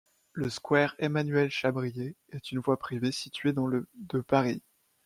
Le square Emmanuel-Chabrier est une voie privée située dans le de Paris.